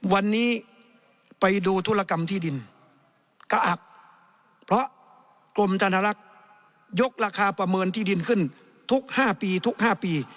วันนี้ไปดูธุรกรรมที่ดินกะอักเพราะกรมธนรักษ์ยกราคาประเมินที่ดินขึ้นทุก๕ปีทุก๕ปี